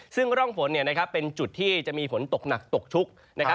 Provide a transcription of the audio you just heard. ซึ่งร่องฝนเป็นจุดที่จะมีฝนตกหนักตกชุกนะครับ